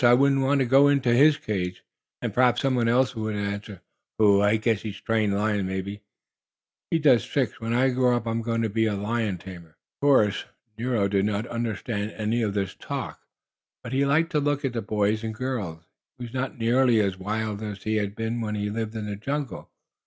I wouldn't want to go into his cage!" And perhaps some one else would answer: "Pooh! I guess he's a trained lion! Maybe he does tricks! When I grow up I'm going to be a lion tamer." Of course Nero did not understand any of this talk, but he liked to look at the boys and girls, and he was not nearly as wild as he had been when he lived in the jungle.